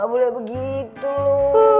ngga boleh begitu lo